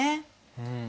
うん。